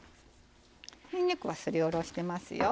にんにくはすり下ろしてますよ。